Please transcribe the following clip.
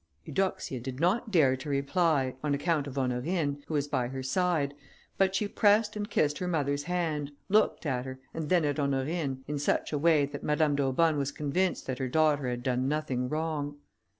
Eudoxia did not dare to reply, on account of Honorine, who was by her side, but she pressed and kissed her mother's hand, looked at her, and then at Honorine, in such a way that Madame d'Aubonne was convinced that her daughter had done nothing wrong.